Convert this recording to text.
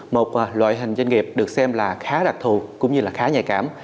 một loại hình doanh nghiệp được xem là khá đặc thù cũng như là khá nhạy cảm